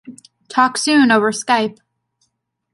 Talk soon over Skype.